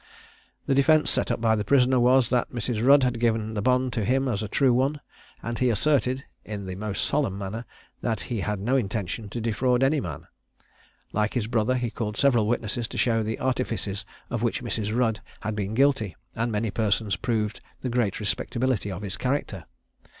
The defence set up by the prisoner was, that Mrs. Rudd had given the bond to him as a true one; and he asserted, in the most solemn manner, that he had had no intention to defraud any man. Like his brother, he called several witnesses to show the artifices of which Mrs. Rudd had been guilty; and many persons proved the great respectability of his character.